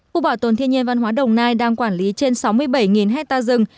khu bảo tồn thiên nhiên văn hóa đồng nai đang quản lý trên sáu mươi bảy hectare rừng